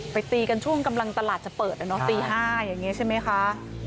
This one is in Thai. ไปตีกันช่วงกำลังตลาดจะเปิดแล้วเนอะตีห้าอย่างเงี้ยใช่ไหมคะ